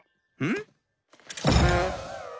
ん。